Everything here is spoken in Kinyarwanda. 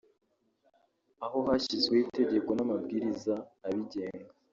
aho hashyizweho itegeko n’amabwiriza abigenga